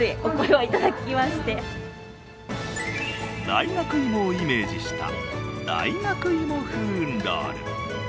大学芋をイメージした大学芋風ロール。